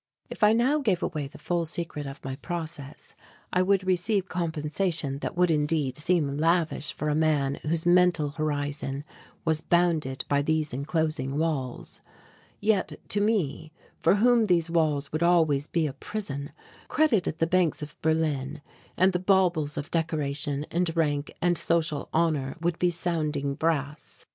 If I now gave away the full secret of my process, I would receive compensation that would indeed seem lavish for a man whose mental horizon was bounded by these enclosing walls; yet to me for whom these walls would always be a prison, credit at the banks of Berlin and the baubles of decoration and rank and social honour would be sounding brass.